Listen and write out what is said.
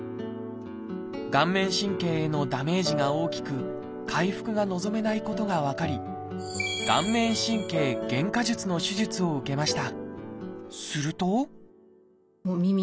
顔面神経へのダメージが大きく回復が望めないことが分かり「顔面神経減荷術」の手術を受けました。